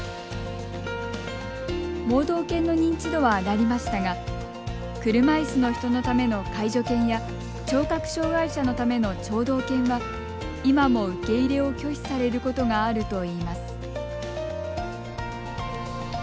盲導犬の認知度は上がりましたが車いすの人のための介助犬や聴覚障害者のための聴導犬は今も受け入れを拒否されることがあるといいます。